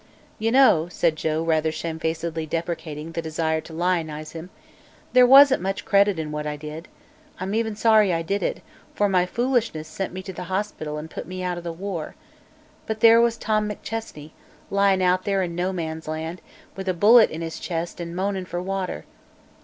"You know," said Joe, rather shamefacedly deprecating the desire to lionize him, "there wasn't much credit in what I did. I'm even sorry I did it, for my foolishness sent me to the hospital an' put me out o' the war. But there was Tom McChesney, lyin' out there in No Man's Land, with a bullet in his chest an' moanin' for water.